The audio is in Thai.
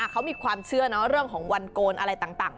เขามีความเชื่อเรื่องของวันโกนอะไรต่าง